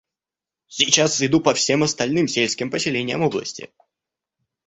Сейчас иду по всем остальным сельским поселениям области.